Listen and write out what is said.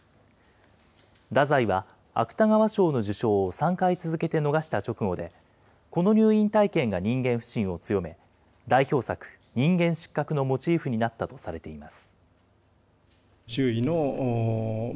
太宰は芥川賞の受賞を３回続けて逃した直後で、この入院体験が人間不信を強め、代表作、人間失格のモチーフになったとされています。